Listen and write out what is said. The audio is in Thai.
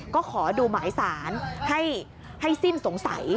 ก็ขอดูหมายสารให้สิ้นสงสัย